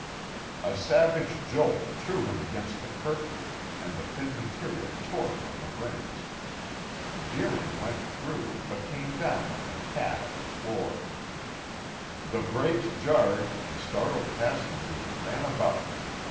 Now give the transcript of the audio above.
A savage jolt threw him against the curtain, and the thin material tore from the rings. Deering went through, but came down like a cat on the floor. The brakes jarred and startled passengers ran about.